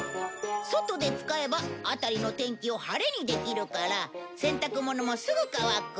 外で使えば辺りの天気を晴れにできるから洗濯物もすぐ乾く。